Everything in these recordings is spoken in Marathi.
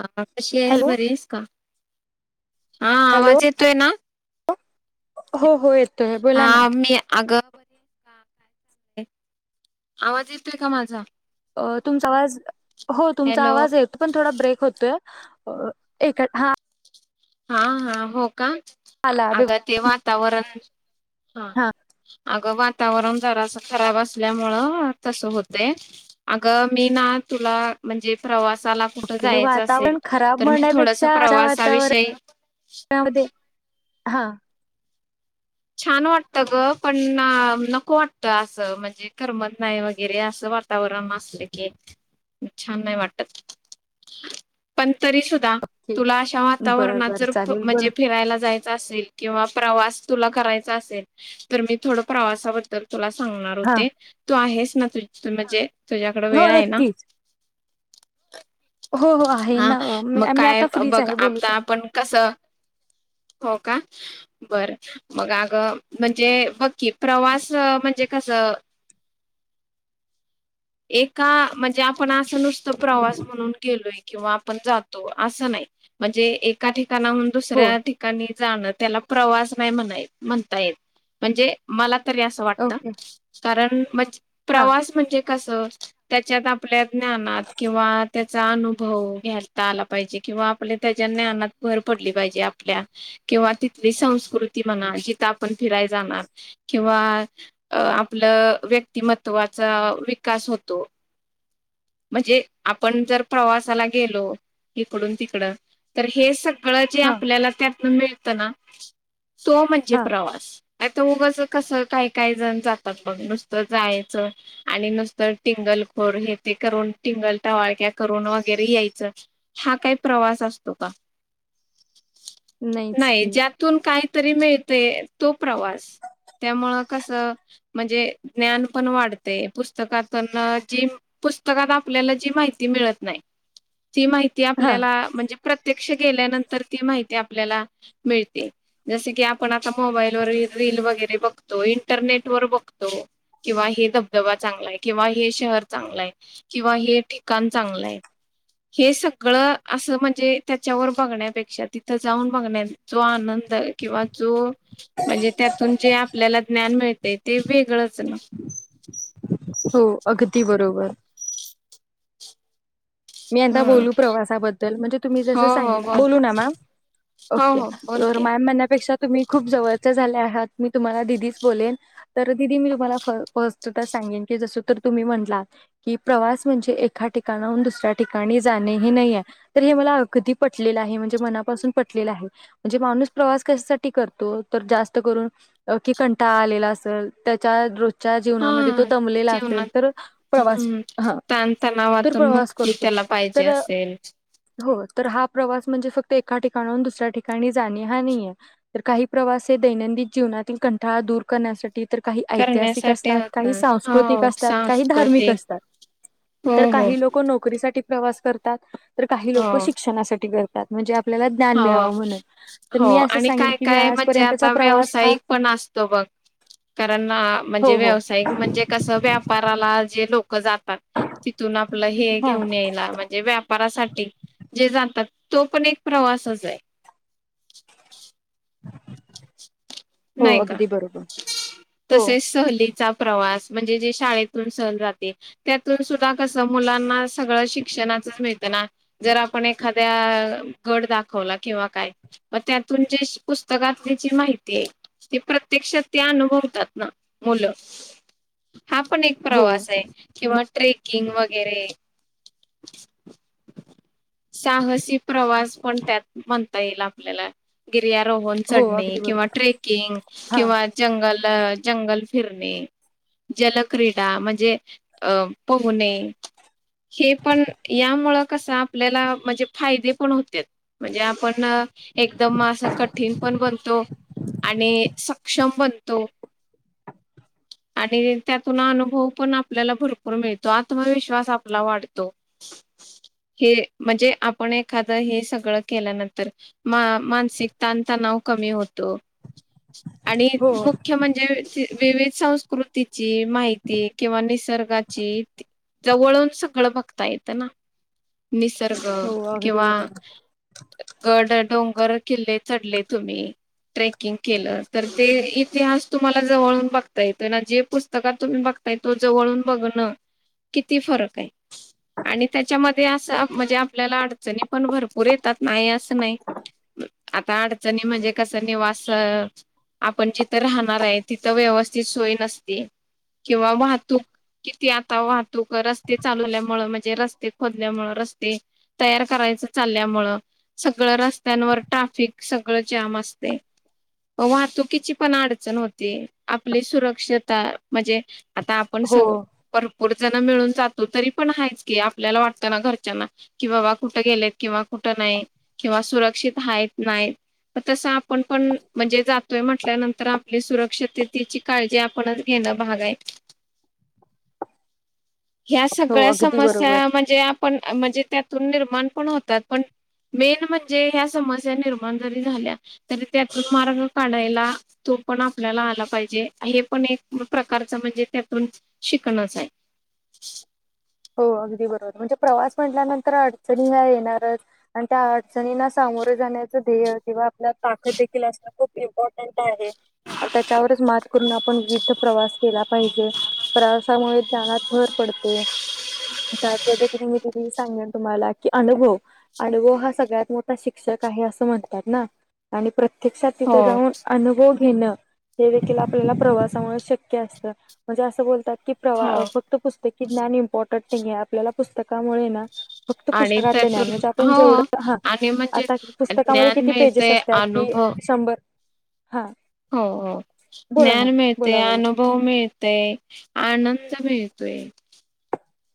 हा कशी आहेस? हॅलो बरी आहेस का? हा हॅलो आवाज येतोय ना? हो हो येतोय हा बोला ना, मी अगं आवाज येतोय का माझा? अ तुमचा आवाज हो तुमचा हॅलो आवाज येतो पण थोडा ब्रेक होतोय. अ एक हा हा हा हो का आला अग व्यव- ते वातावरण हा अगं वाता वरण जरास खराब असल्यामुळ तसं होत अग मी ना तुला म्हणजे प्रवासाला कुठं ओके जायचं असेल वातावरण तर मी थोडस प्रवासाविषयी त्यामध्ये हा छान वाटत गं पण नको वाटत. असं म्हणजे करमत नाही वगैरे असं वातावरण अस की छान नाही वाटत पण तरी सु द्या ठीक. तुला अशा बर वातावरणात बर जर चालेल बर म्हणजे फिरायला जायच असेल किंवा प्रवास तुला करायचा असेल तर मी थोड प्रवासाबद्दल तुला सांगणार हा होते तू आहेस. ना तु म्हणजे तुझ्याकडं हो वेळ आहे ना. नक्कीच हो हो आहे हा ना अ, मी मग मी काय आता फ्रीच बघ आहे बोलू आता शकते आपण कस, हो का बरं मग अगं म्हणजे बघ की प्रवास म्हणजे कसं एका म्हणजे आपण असं नुसत प्रवास म्हणून गेलोय किंवा आपण जातो असं नाही. म्हणजे एका ठिकाणा हून हो दुसऱ्या ठिकाणी जाण त्याला प्रवास नाही म्हणाय म्हणता येत म्हणजे मला तरी असं वाटत ओके कारण म्हणजे हा प्रवास म्हणजे कसं त्याच्यात आपल्या ज्ञानात किंवा त्याचा अनुभव घेता आला पाहिजे किंवा आपल्या त्याच्या ज्ञानात भर पडली पाहिजे आपल्या. किंवा तिथली संस्कृती म्हणा जिथं आपण फिराय जाणार किंवा आप लं व्यक्तिमत्वाचा विकास होतो. म्हणजे आपण जर प्रवासाला गेलो इकडून तिकडं तर हे सगळं जे हा आपल्याला त्यातन मिळतं ना तो म्हणजे हा प्रवास. नाहीत उगंच कसं काही काही जण जातात. बघ नुसतं जायचं आणि नुस त टिंगल खोर हे ते करून टिंगल टवाळक्या करून वगैरे यायचं हा काय प्र वास असतो का. [inaudible] नाहीच नाही की ज्यातून काहीतरी मिळतय तो प्रवास. त्यामुळ कसं म्हणजे ज्ञान पण वाढते पुस स्तकातन जे पुस्तकात आपल्याला जी माहिती मिळत नाही. ती माहिती हा आपल्याला म्हणजे प्रत्यक्ष गेल्यानंतर ती माहिती आपल्याला मिळते. जसं की आपण आता मोबाईलवर रिल रिल बघ वगैरे बघतो इंटरनेटवर बघतो किंवा हे धबधबा चांगला आहे किंवा हे शहर चांगलं आहे किंवा हे ठिकाण चांगलं आहे. हे सगळं, असं म्हणजे त्याच्यावर बघण्यापेक्षा तिथं जाऊन बघण्यात जो आनं द किंवा जो म्हणजे त्यातून जे आपल्याला ज्ञान मिळतंय ते वेगळंच न. हो अगदी बरोबर. मी आता हम्म बोलू प्रवासाबद्दल म्हणजे तुम्ही हो जसं हो सांगितलं, बोल बोलू ना मॅम? हो ओके हो बोल तर की मॅम म्हण्यापेक्षा तुम्ही खूप जवळच्या झाल्या आहात मी तुम्हाला दीदीच बोलेन तर दिदी मी तुम्हाला फर्स्ट फर्स्टच सांग मेन की जसं तर तुम्ही म्हटलात की प्रवास म्हणजे एका ठिकाणाहून दुसऱ्या ठिकाणी जाणे हे नाहीये, तर हे मला कधी पटलेलं आहे म्हणजे मनापासून पटलेलं आहे म्हणजे माणू णूस प्रवास कशासाठी करतो, तर जास्त करून की कंटाळा आलेला असल त्याच्या रोज च्या हा जीवनामध्ये तो दमलेला असेल जेवणाच तर प्रवास हम्म ह तर ताणतणावातून प्रवास मुक्ती करतो. त्याला पाहिजे तर असेल. हो तर हा प्रवास म्हणजे फक्त एका ठिकाणाहून दुसऱ्या ठिकाणी जाणे हा नाहीये तर काही प्रवास हे दैनंदित जीवनातील कंठाळा दूर करण्यासा ठी तर काही ऐतिहासिक करण्यासाठी असतात, काही होता सांस्कृतिक हो असतात, काही धार्मिक सांस्कृतिक असतात. हो तर हो काही लोकं नोकरीसाठी प्रवास करतात तर काही हो लोकं शिक्षणासाठी करतात म्हणजे आप हो हो असं आणि सांगेन काय की मी काय म्हणजे आजपर्यंतचा आता प्रवास हा व्यावसायिक पण असतो बघ. कारण अ म्हणजे हो हो व्यावसायिक म्हणजे कसं व्यापाराला जे लोक जातात तिथून आपलं हे हा घेऊन यायला म्हणजे व्यापारासाठी जे जातात तो पण एक प्रवासच आहे. हो नाही का? अगदी बरोबर हो तसेच सहलीचा प्रवास म्हणजे जे शाळेतून सहल जाते त्यातून सुद्धा कसं मुलांना सगळं शिक्षणा [inaudible] मिळतं ना जर आपण एखाद्या गड दाखवला किंवा काय म त्यातून जे पुस्तकात ज्याची माहिती ते ते प्रत्यक्षात ते अनुभवतात ना मुलं. हा पण एक हो प्रवास आहे किंवा ट्रेकिंग वगैरे. साहसी प्रवास पण त्यात म्हणता येईल आपल्याला गी र्यारोहण हो चढणे अगदी किंवा बरोबर ट्रेकिंग हा किंवा जंगल जंगल फिरणे जलक्रीडा म्हणजे अ पोहणे. हे पण यामुळं कसं आपल्याला म्हणजे फायदे पण होत्यात म्हणजे आपण एकदम असं कठीण पण बनतो आणि सक्षम बनतो. [inaudible] आणि त्यातून अनुभव पण आपल्याला भरपूर मिळतो आत्मविश्वास आपला वाढतो. [inaudible] हे म्हणजे आपण एखादं हे सगळं केल्यानंतर मा मानसिक ताणतणाव कमी होतो, आणि हो मुख्य म्हणजे विवि संस्कृ ची माहिती किंवा निसर्गाची इ जवळून सगळं बघता येतं ना, निसर्ग हो अगदी किंवा बरोबर गड, डोंगर, किल्ले चढले तुम्ही ट्रेकिंग केलं, तर ते इतिहास तुम्हाला जवळून बघता येत ना जे पुस्तकात तुम्ही बघ बगताय तो जवळून बघनं किती फरकय आणि त्याच्यामध्ये असं आप म्हणजे आपल्याला अडचणी पण भरपूर येतात नाही असं नाही. आता अडचणी म्हणजे कसं निवास अ आपण जिथं राहणार आहे तिथं व्यवस्थित सोय नसती. किंवा वाहतूक किती आता वाहतूक रस्ते चालवल्यामुळे म्हणजे रस्ते खोदल्यामुळे रस्ते तयार कराय चचालल्यामुळं, सगळं रस्त्यांवर ट्राफिक सगळं जाम असतंय. वाहतुकीची पण अडचण होती, आपली सुरक्षता म्हणजे आता आपण स हो परपूर ज मिळून जातो तरी पण आहेच की, आपल्याला वाटतं ना घरच्यांना कि बाबा कुठं गेलेत, किंवा कुठ नाही किंवा सुरक्षित आहेत नाहीत तस आप आपण पण म्हणजे जातोय म्हटल्यानंतर आपली सुरक्षितते ची काळजी आपणच घेणं भाग आहे [inaudible] ह्या हो सगळ्या अगदी समस्या बरोबर म्हणजे आपण म्हणजे त्यात निर्माण पण होतात पण मेन म्हणजे ह्या समस्या निर्माण जरी झाल्या तरी त्यातून मार्ग काढायला, तो पण आपल्याला आला पाहिजे, हे पण एक प्रकारच म्हणजे त्यातून शिकणच आहे [inaudible] हो अगदी बरोबर म्हणजे प्रवास म्हटल्यानंतर अडचणी या येणारच आणि त्या अडचनीना सा मोर जाण्याच ध्येय किंवा आपल्यात ताकद देखील असण खुप इम्पॉर्टट आहे त्याच्यावरच मात करून आपण विविध प्रवास केला पाहिजे प्रवासामुळे ज्ञानात भर पडते त्या पद्धतीने मी त सांगेन तुम्हाला की अनुभव, अनुभव, हा सगळ्यात मोठा शिक्षक आहे अस अस म्हणतात ना, आणि प्रत्यक्षात तिथ हो जाऊन अनुभव घेणं हे देखील आपल्याला प्रवासामुळे शक्य असतं, म्हणजे असं बोलतात की प्रवा हो फक्त पुस्तकी ज्ञान इम्पॉर्टंट नाही आहे, आपल्याला पुस्तकामुळे ना फक्त आणि पुस्तकातले ज्ञान त्यातून म्हणजे, आपण हो जेवढं हा आणि म्हणजे आता पुस्तकामध्ये ज्ञान किती पेजेस मिळते असतात कि अनुभव शंभर हा हो, हो बोला ना ज्ञान मिळते, बोला बोला अनुभव मिळते, आनंद त मिळतोय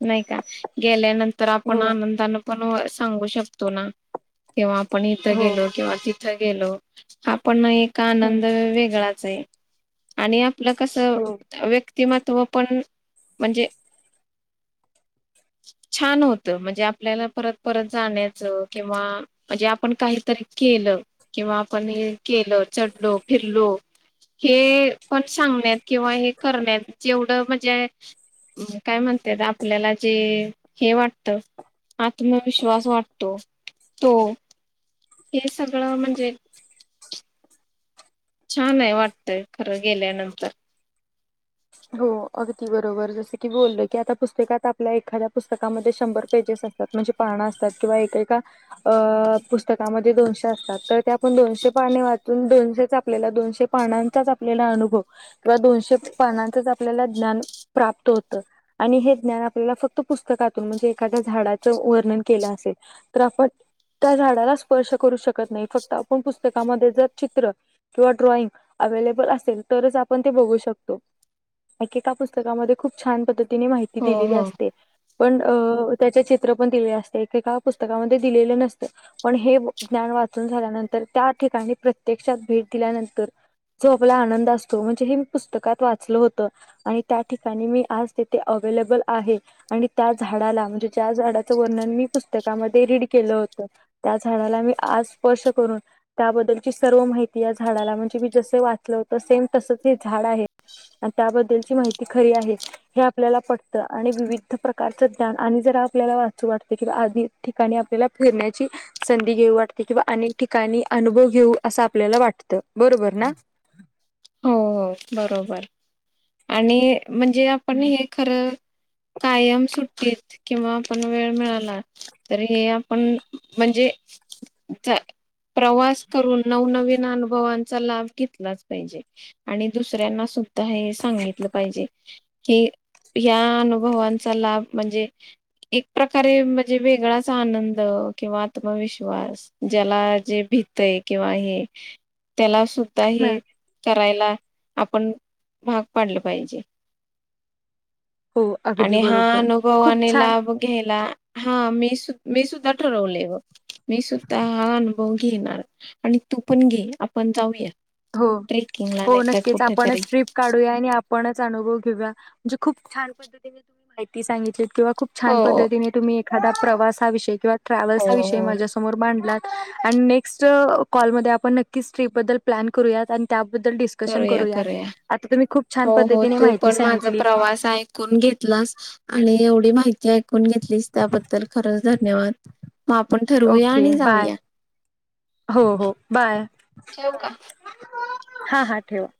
नाही का गेल्यानंतर आपण, हो आनंदान पण सांगू शकतो ना किंव्हा आपण इथं हो गेलो, किंवा तिथं गेलो, हापण एक हम्म आनंद वेगळा आणि आपलं कस हो व्य व्क्तिमत्व पण म्हणजे [inaudible] छान होत म्हणजे आपल्याला परत, परत, जाण्याच किंवा म्हणजे आपण काहीत री केलं किंवा आपण हे केलं चढलो, फिरलो हे पण सांगण्यात किंवा हे करण्यात जेवढं म्हणजे काय म्हण त्यात आपल्याला जे हे वाटत, आत्मविश्वास वाटतो हो हे सगळं म्हणजे छान आहे वाटतय, खरं गेल्यानंतर हो अगदी बरोबर जस की बोलल, की आता पुस्तकात आपल्या एखाद्या पुस्तकामध्ये शंभर पेजेस असतात म्हणजे पानं असतात, किंवा एक, एका, अ पुस्तका मध्ये दोनशे असतात त त्या पण दोन शे पाने वाचून दोनशेच, आपल्याला दोनशे पानाचा आपल्याला अनुभव, किंवा दोनशे पाण्यात च आपल्याला ज्ञान प्राप्त होत आणि हे ज्ञान आपल्याला फक्त पुस्तकातून म्हणजे एखाद्या झाडाचं वर्णन केलं असेल तर आपण त्या झाडाला स्पर्श करू शकत नाही, फक्त आपण पुस्तकामध्ये जर चित्र किंवा ड्रॉइंग अवेलेबल असेल, तरच आपण ते बघू शकतो एकेका पुस्तकामध्ये, खूप छान पद्धतीने माहिती हो दिलेली हो हो असते पण अ त्याचे चित्र पण दिले असते, एकेका पुस्तकामध्ये दिलेले नसते, पण हे ज्ञान वाचुन झाल्यानंतर त्या ठिकाणी प्रत्यक्षात भेट दिल्यानंतर जो आपला आनंद असतो म्हणजे, हे मी पुस्तकात वाच चल होत आणि त्या ठिकाणी मी आज तेथे अवेलेबल आहे, आणि त्या झाडाला म्हणजे त्या झाडाचं वर्णन मी पुस्तकामध्ये रीड केलं होत त्या झाडाला मी आज स्पर्श करून त्याबद्दलची सर्व माहिती या झाडाला, म्हणजे मी जस वाचल होत, सेम तसच हे झाड आहे अन त्याबद्दलची माहिती खरी आहे हे आपल्याला पटतं, आणि विविध प्रकारचं ज्ञान आणि जर आपल्याला वाचु वाटते किंवा अधिक ठिकाणी आपल्याला फिरण्याची संधी घेऊ वाटते किंवा अनेक ठिका आणि अनुभव घेऊ असं आपल्याला वाटत बरोबर ना हो हो बरोबर आणि म्हणजे आपण हे खरं कायम सुट्टीत किंवा आपण वेळ मिळाला तरी हे आपण म्हणजे चं प्रवास करून नवनवीन अनुभवांचा लाभ घेतलाच पाहिजे आणि दुसऱ्यांना सुद्धा हे सांगितलं पाहिजे कि या अनुभवांचा लाभ म्हणजे एक प्रकारे म्हणजे वेगळाच आनंद किंवा आत्मविश्वास ज्याला जे भितय हे किंवा हे त्याला सुद्धा हे करायला आपण भाग पाडलं पाहिजे हो अगदी आणि हा बरोबर खूप अनुभवाने छान लाभ घ्यायला हा मी सु मी सुद्धा ठरवले ग मी सुद्धा हा अनुभव घेणार आणि तू पण घे आपण जाऊया हो ट्रेकिंगला हो नाही तर नक्कीच कुठेतरी आपणच ट्रीप काढूया आणि आपणच अनुभव घेऊया जे खूप छान पद्धतीने तुही माहिती सांगितली किंवा खूप हो छान पद्धतीने तुम्ही एखादा प्रवासाविषयी किंवा हो ट्रॅव्हल्सविषयी हो माझ्यासमोर मांडला आणि नेक्स्ट कॉलमध्ये आपण नक्कीच ट्रीप बद्दल प्लॅन करूयात आणि त्या करूया करूया खूप छान हो हो पद्धतीने तू माहिती पण माझ सांगितली प्रवास ऐकून घेतला - लास आणि एवढी माहिती ऐकून घेतली त्याबद्दल खरच धन्यवाद म आपण ठरवूया ओके आणि बाय जाऊया हो हो बाय ठेवू का हा हा ठेवा